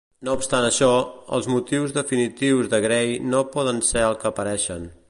No obstant això, els motius Definitius de Grey no poden ser el que apareixen.